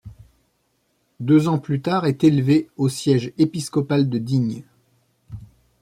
Deux ans plus tard est élevé au siège épiscopal de Digne.